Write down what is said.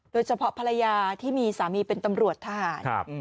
โดยเฉพาะภรรยาที่มีสามีเป็นตำรวจทหาร